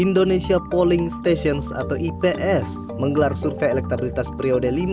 indonesia polling stations atau ips menggelar survei elektabilitas periode lima hingga lima belas september